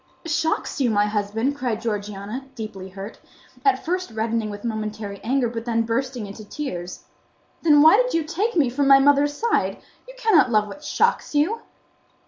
"Shocks you, my husband!" cried Georgiana, deeply hurt; at first reddening with momentary anger, but then bursting into tears. "Then why did you take me from my mother's side? You cannot love what shocks you!"